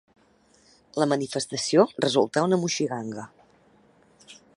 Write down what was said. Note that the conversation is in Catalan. La manifestació resultà una moixiganga.